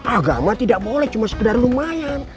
agama tidak boleh cuma sekedar lumayan